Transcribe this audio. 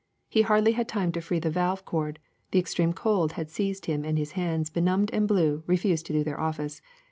He hardly had time to free the valve cord : the extreme cold had seized him and his hands, benumbed and blue, refused to do their office.